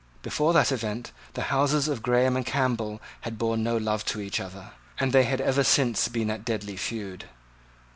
Before that event the houses of Graham and Campbell had borne no love to each other; and they had ever since been at deadly feud.